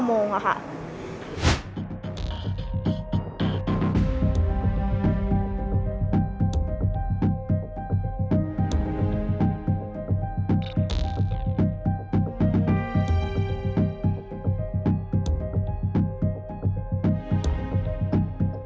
โปรดติดตามตอนต่อไป